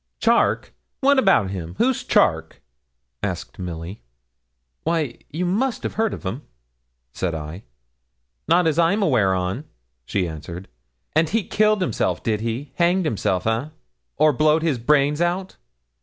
'Charke! what about him? who's Charke?' asked Milly. 'Why, you must have heard of him,' said I. 'Not as I'm aware on,' answered she. 'And he killed himself, did he, hanged himself, eh, or blowed his brains out?'